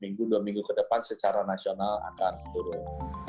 minggu dua minggu ke depan secara nasional akan turun